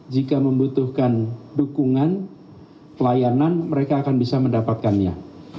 jika membutuhkan dukungan pelayanan mereka akan bisa mendapatkannya